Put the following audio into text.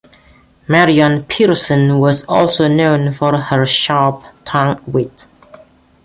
Maryon Pearson was also known for her sharp tongued wit.